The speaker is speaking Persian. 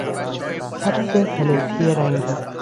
سبد فلزی رنگی